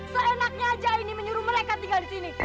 seenaknya aja ini menyuruh mereka tinggal di sini